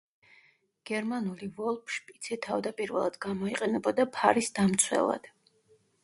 გერმანული ვოლფშპიცი თავდაპირველად გამოიყენებოდა ფარის დამცველად.